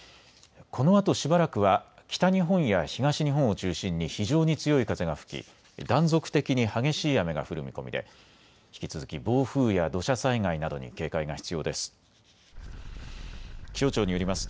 このあとしばらくは北日本や東日本を中心に非常に強い風が吹き断続的に激しい雨が降る見込みで引き続き暴風や土砂災害などに警戒が必要です。